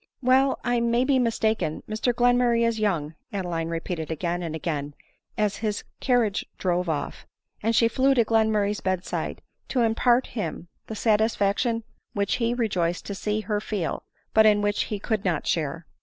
»'" Well, I may be mistaken — Mr Glenmurray is young," Adeline repeated again and again, as his carriage drove off; and she flew to Glenmurray's bed side to impart to him the satisfaction which he rejoiced to see her feel, but in which he could not share.